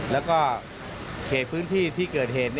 แล้วก็เขตพื้นที่ที่เกิดเหตุ